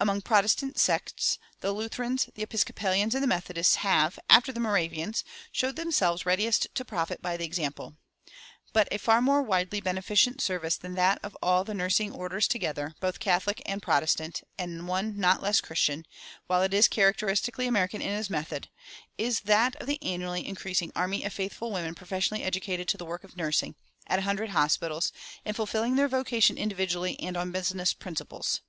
Among Protestant sects the Lutherans, the Episcopalians, and the Methodists have (after the Moravians) shown themselves readiest to profit by the example. But a far more widely beneficent service than that of all the nursing "orders" together, both Catholic and Protestant, and one not less Christian, while it is characteristically American in its method, is that of the annually increasing army of faithful women professionally educated to the work of nursing, at a hundred hospitals, and fulfilling their vocation individually and on business principles.